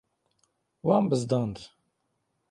Wan bizdand.